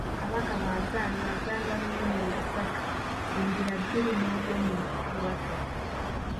Kabaka bw’azaalibwa, azaalibwa n'obubonero busatu; endira bbiri, n’obulo mu kibatu.